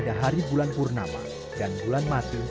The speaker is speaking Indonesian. bahkan hingga delapan bulan